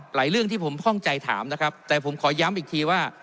เรื่องที่ผมข้องใจถามนะครับแต่ผมขอย้ำอีกทีว่า